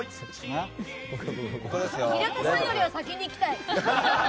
平田さんよりは先に行きたい！